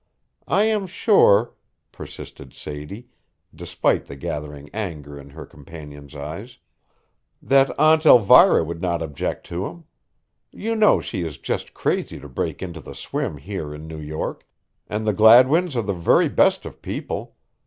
I am sure," persisted Sadie, despite the gathering anger in her companion's eyes, "that Aunt Elvira would not object to him. You know she is just crazy to break into the swim here in New York, and the Gladwins are the very best of people.